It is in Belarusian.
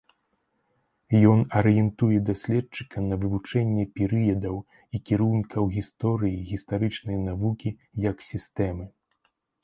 Ён арыентуе даследчыка на вывучэнне перыядаў і кірункаў гісторыі гістарычнай навукі як сістэмы.